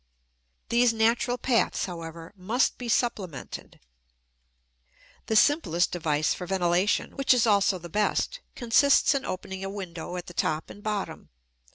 These natural paths, however, must be supplemented. The simplest device for ventilation, which is also the best, consists in opening a window at the top and bottom.